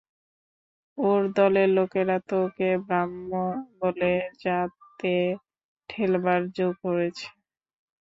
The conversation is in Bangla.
ওর দলের লোকেরা তো ওকে ব্রাহ্ম বলে জাতে ঠেলবার জো করেছে।